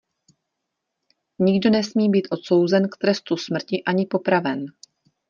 Nikdo nesmí být odsouzen k trestu smrti ani popraven.